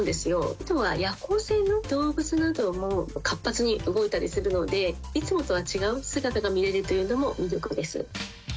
あとは夜行性の動物なども活発に動いたりするので、いつもとは違う姿が見れるというのも魅力です。